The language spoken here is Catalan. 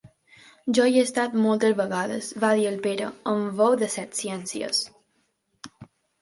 Jo hi he estat moltes vegades —va dir el Pere, amb veu de setciències—.